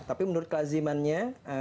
tapi menurut kelazimannya